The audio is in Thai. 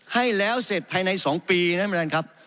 ให้แล้วเสร็จภายในสองปีนะบรรณานครับ